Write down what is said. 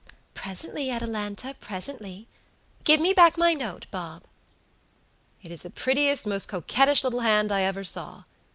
"Presently, Atalanta, presently. Give me back my note, Bob." "It is the prettiest, most coquettish little hand I ever saw.